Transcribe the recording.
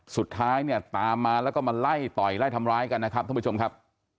สุดท้ายเนี่ยตามมาแล้วก็มาไล่ต่อยไล่ทำร้ายกันนะครับท่านผู้ชมครับ